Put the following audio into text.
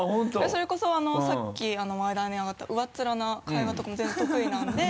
それこそさっき話題に上がった上っ面な会話とかも全然得意なんで。